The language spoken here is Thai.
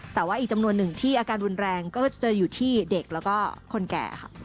แต่ว่าอีกจำนวนหนึ่งที่อาการรุนแรงก็จะเจออยู่ที่เด็กแล้วก็คนแก่ค่ะ